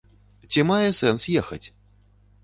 Ці мае сэнс ехаць?